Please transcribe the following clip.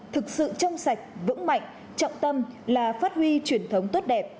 thực sự trong sạch vững mạnh trọng tâm là phát huy truyền thống tốt đẹp